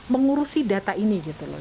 mengurusi data ini gitu loh